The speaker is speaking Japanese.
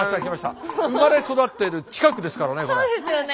生まれ育ってる近くですからね。